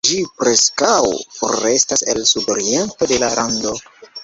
Ĝi preskaŭ forestas el sudoriento de la lando.